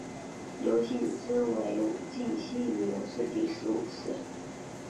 刘谨之为武进西营刘氏第十五世。